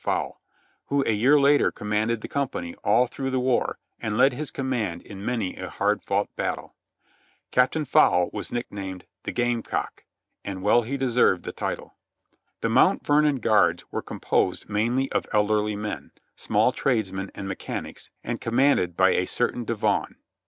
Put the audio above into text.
Fowle, who a year later commanded the company all through the war, and led his command in many a hard fought battle. Captaiti Fowle was nicknamed "The Game cock," and well he deserved the title. The Mount Vernon Guards was composed mainly of elderly men, small tradesmen and mechanics, and commanded by a certain Devaugn.